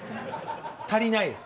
足りないです。